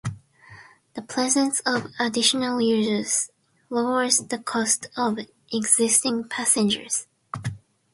The presence of additional users lowers the cost of existing passengers.